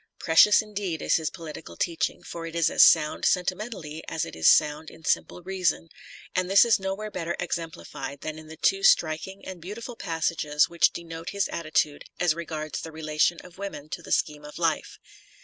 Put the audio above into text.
Precious indeed is his political teaching, for it is as sound sentimentally as it is sound in simple reason, and this is nowhere better exemplified than in the two striking and beautiful passages which denote his attitude as regards the relation of women to the scheme of life.